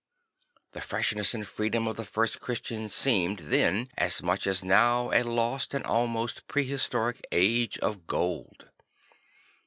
The freshness and freedom of the first Christians seemed then as much as now a lost and almost prehistoric age of gold.